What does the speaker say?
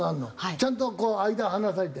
ちゃんとこう間離されて。